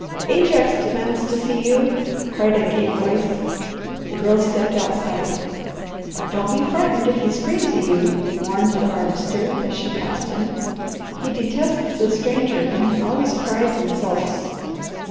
"Ajax demands to see you," cried a gay voice. The Girl stepped outside. "Don't be frightened if he screams at you," warned the Harvester as she passed him. "He detests a stranger, and he always cries and sulks."